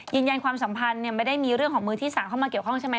ยืนยันความสัมพันธ์ไม่ได้มีเรื่องของมือที่๓เข้ามาเกี่ยวข้องใช่ไหม